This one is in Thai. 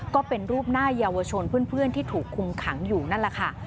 ก็เป็นรูปหน้าเยาวชนเพื่อนที่ถูกคุมขังอยู่นั่นแหละค่ะ